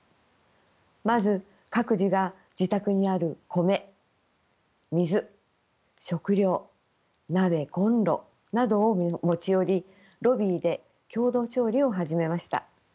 まず各自が自宅にある米水食料鍋コンロなどを持ち寄りロビーで共同調理を始めました。